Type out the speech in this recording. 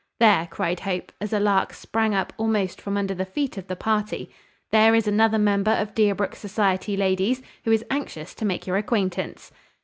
There!" cried Hope, as a lark sprang up almost from under the feet of the party "There is another member of Deerbrook society, ladies, who is anxious to make your acquaintance."